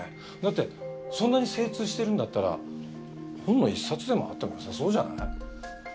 だってそんなに精通してるんだったら本の一冊でもあってもよさそうじゃない？